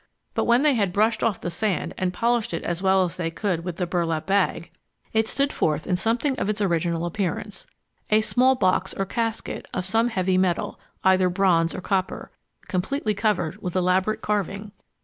But when they had brushed off the sand and polished it as well as they could with the burlap bag, it stood forth in something of its original appearance a small box or casket of some heavy metal, either bronze or copper, completely covered with elaborate carving.